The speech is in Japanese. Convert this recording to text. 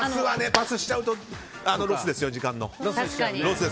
パスしちゃうとロスですよ、時間の。